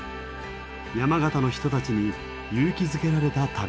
山形の人たちに勇気づけられた旅でした。